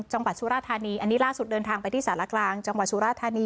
สุราธานีอันนี้ล่าสุดเดินทางไปที่สารกลางจังหวัดสุราธานี